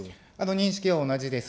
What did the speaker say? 認識は同じです。